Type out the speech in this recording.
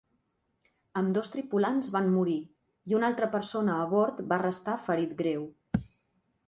Ambdós tripulants van morir, i una altra persona a bord va restar ferit greu.